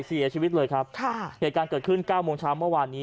เสียชีวิตเลยครับค่ะเหตุการณ์เกิดขึ้นเก้าโมงเช้าเมื่อวานนี้